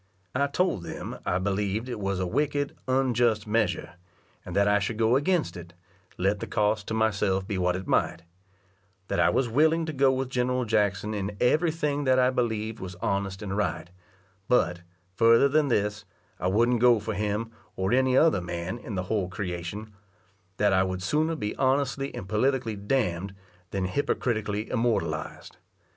I told them I believed it was a wicked, unjust measure, and that I should go against it, let the cost to myself be what it might; that I was willing to go with General Jackson in every thing that I believed was honest and right; but, further than this, I wouldn't go for him, or any other man in the whole creation; that I would sooner be honestly and politically d nd, than hypocritically immortalized.